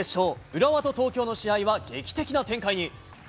浦和と東京の試合は劇的な展開に。